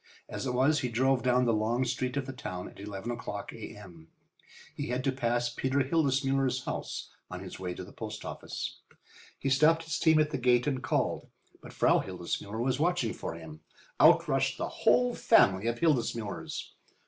As it was, he drove down the long street of the town at eleven o'clock A.M. He had to pass Peter Hildesmuller's house on his way to the post office. He stopped his team at the gate and called. But Frau Hildesmuller was watching for him. Out rushed the whole family of Hildesmullers.